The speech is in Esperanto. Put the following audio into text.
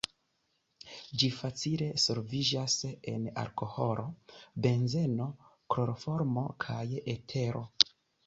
Ĝi facile solviĝas en alkoholo, benzeno, kloroformo kaj etero.